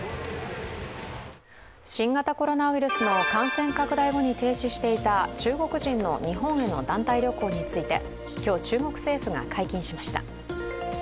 新型コロナウイルスの感染拡大後に停止していた中国人の日本への団体旅行について今日、中国政府が解禁しました。